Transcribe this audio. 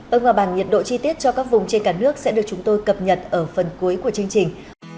ở ngoài bảng nhiệt độ chi tiết cho các vùng trên cả nước sẽ được chúng tôi cập nhật ở phần cuối của chương trình